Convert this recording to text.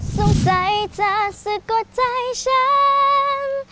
สงสัยจะสุดกดใจฉัน